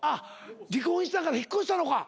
離婚したから引っ越したのか。